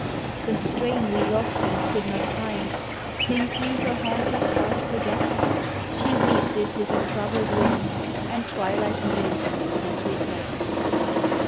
The strain we lost and could not find Think we her haunted heart forgets *? She weaves it with a troubled wind And twilight music that regrets.